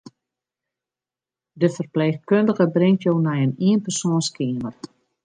De ferpleechkundige bringt jo nei in ienpersoanskeamer.